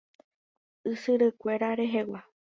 Ysyrykuéra rehegua.